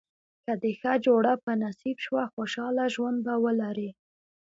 که دې ښه جوړه په نصیب شوه خوشاله ژوند به ولرې.